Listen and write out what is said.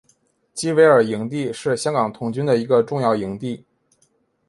基维尔营地是香港童军一个重要的营地。